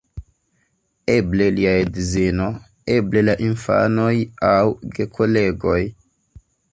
Eble lia edzino, eble la infanoj aŭ gekolegoj.